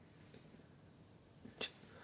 ちょっ。